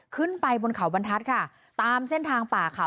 ขึ้นไปบนเขาบรรทัศน์ค่ะตามเส้นทางป่าเขา